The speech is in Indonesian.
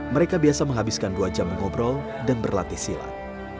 mereka biasa menghabiskan dua jam mengobrol dan berlatih silat